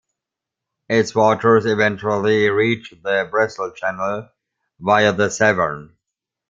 Its waters eventually reach the Bristol Channel, via the Severn.